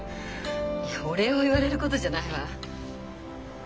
いやお礼を言われることじゃないわ。